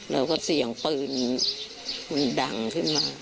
แล้วก็เสียงปืนมันดังขึ้นมา